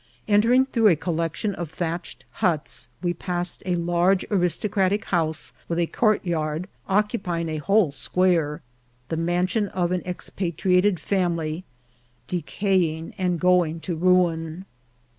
Entering through a collection of thatched huts, we passed a large aristocratic house, with a court yard occupying a whole square, the mansion of an ex patriated family, decaying and going to ruin.